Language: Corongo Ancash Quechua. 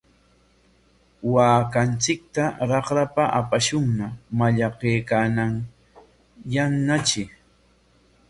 Waakanchikta raqrapa apashunña, mallaqnaykaayanñatri.